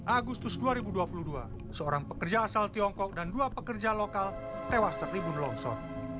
agustus dua ribu dua puluh dua seorang pekerja asal tiongkok dan dua pekerja lokal tewas tertimbun longsor